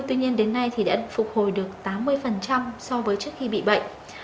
tuy nhiên đến nay thì đã phục hồi được tám mươi so với trước khi bị bệnh